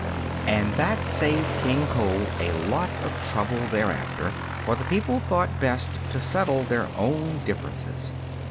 And that saved King Cole a lot of trouble thereafter, for the people thought best to settle their own differences.